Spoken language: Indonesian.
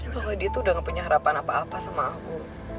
bahwa dia tuh udah gak punya harapan apa apa sama aku